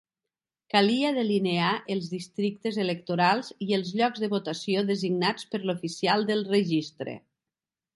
Calia delinear els districtes electorals i els llocs de votació designats per l'oficial del registre.